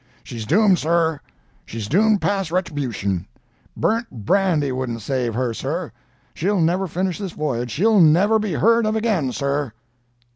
She's doomed, sir! she's doomed past retribution! Burnt brandy wouldn't save her, sir. She'll never finish this voyage—she'll never be heard of again, sir.'